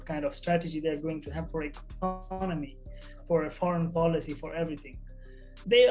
apa jenis strategi yang akan mereka lakukan untuk ekonomi untuk kebijakan luar negara untuk segalanya